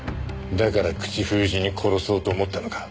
だから口封じに殺そうと思ったのか？